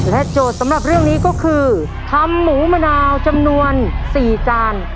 โจทย์สำหรับเรื่องนี้ก็คือทำหมูมะนาวจำนวน๔จาน